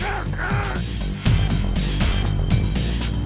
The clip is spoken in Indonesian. aku mau lihat